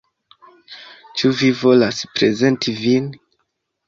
Ĉu vi volas prezenti vin?